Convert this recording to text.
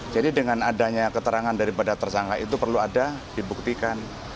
jadi dengan adanya keterangan daripada tersangka itu perlu ada dibuktikan